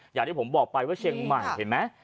อย่างที่ผมบอกไปว่าเชียงใหม่เห็นไหม